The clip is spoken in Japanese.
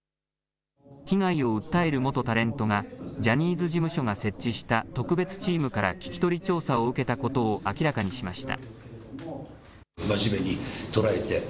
被害を訴える元タレントがジャニーズ事務所が設置した特別チームから聞き取り調査を受けたことを明らかにしました。